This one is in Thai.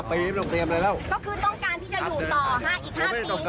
แล้วท่านนโยคเตรียมตัวยังไงยังคะ